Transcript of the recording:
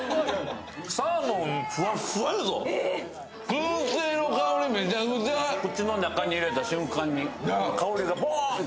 くんせいの香り、めちゃくちゃ、口の中に入れた瞬間に香りがほわーっと。